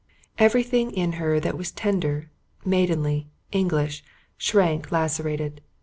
Everything in her that was tender, maidenly, English, shrank lacerated.